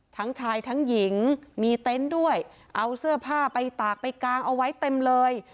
ทั้งชายทั้งหญิงมีเต็นต์ด้วยเอาเสื้อผ้าไปตากไปกางเอาไว้เต็มเลย